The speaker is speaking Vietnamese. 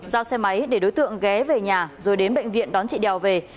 giao xe máy để đối tượng ghé về nhà rồi đến bệnh viện đón chị đèo về